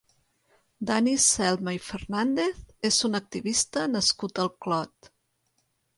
Dani Celma i Fernàndez és un activista nascut al Clot.